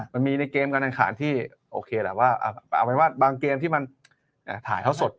มันมีในเกมการแข่งขันที่โอเคแหละว่าเอาเป็นว่าบางเกมที่มันถ่ายเท่าสด